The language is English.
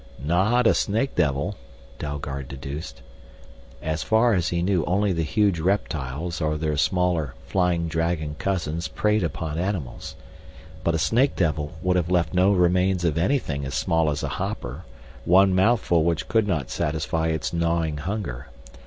"Not a snake devil," Dalgard deduced. As far as he knew only the huge reptiles or their smaller flying dragon cousins preyed upon animals. But a snake devil would have left no remains of anything as small as a hopper, one mouthful which could not satisfy its gnawing hunger.